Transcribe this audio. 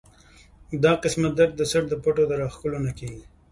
دا قسمه درد د څټ د پټو د راښکلو نه کيږي